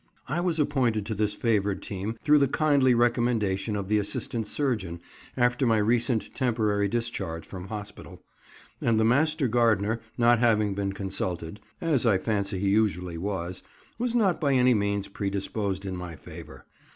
I was appointed to this favoured team through the kindly recommendation of the assistant surgeon after my recent temporary discharge from hospital; and the master gardener, not having been consulted, as I fancy he usually was, was not by any means predisposed in my favour.